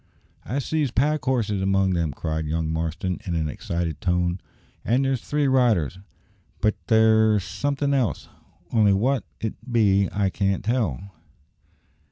"I sees pack horses among them," cried young Marston in an excited tone; "an' there's three riders; but there's som'thin' else, only wot it be I can't tell."